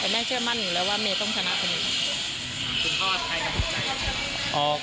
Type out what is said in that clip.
แต่แม่เชื่อมั่นอยู่เลยว่าเมย์ต้องชนะคนอื่นคุณพ่อใครกับลูกใจ